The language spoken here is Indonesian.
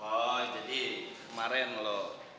oh jadi kemaren lo